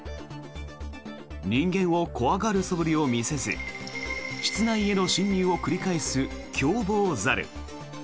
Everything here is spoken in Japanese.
人間を怖がるそぶりを見せず室内への侵入を繰り返す凶暴猿。